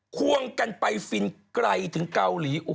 ควงกันไปฟินไกลถึงเกาหลี